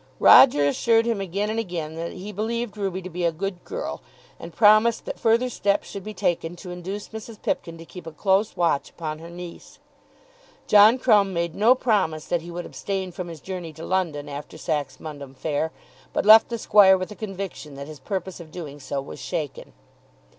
Roger assured him again and again that he believed Ruby to be a good girl, and promised that further steps should be taken to induce Mrs. Pipkin to keep a close watch upon her niece. John Crumb made no promise that he would abstain from his journey to London after Saxmundham fair; but left the squire with a conviction that his purpose of doing so was shaken.